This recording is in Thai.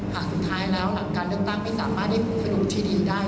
ถ้าสุดท้ายแล้วการเลือกตั้งไม่สามารถได้พูดสนุกที่ดีได้